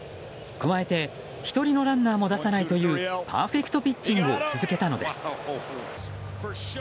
加えて、１人のランナーも出さないというパーフェクトピッチングを続けたのです。